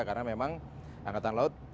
karena memang angkatan laut